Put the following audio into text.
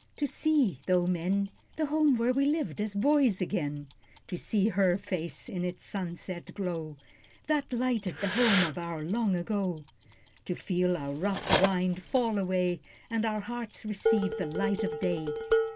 To see, though men, The Home where we lived as boys, again; To see her face in its sunset glow, That lighted the Home of our Long ago, To feel our rough rind fall away, And our hearts receive the light of day.